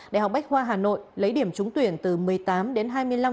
đại học bách hoa hà nội lấy điểm trúng tuyển từ một mươi tám đến hai mươi năm ba mươi năm